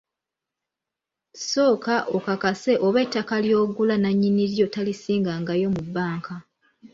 Sooka okakase oba ettaka ly'ogula nnannyini lyo talisingangayo mu bbanka.